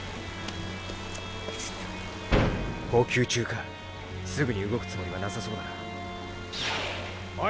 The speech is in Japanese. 補給中かすぐに動くつもりはなさそうだなおい